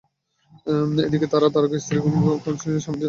এদিকে তাঁর তারকা স্ত্রী, কিম কারদাশিয়ান স্বামীর যত্নে কোনো ত্রুটি রাখছেন না।